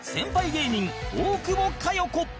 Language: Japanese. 芸人大久保佳代子